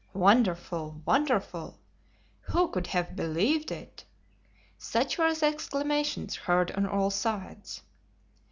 "Wonderful! Wonderful!" "Who could have believed it!" Such were the exclamations heard on all sides.